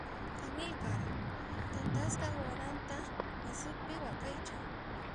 Amilcar thantasqa waranta wasipi waqaychan.